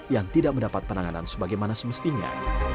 yang tidak mendapat penanganan sebagaimana semestinya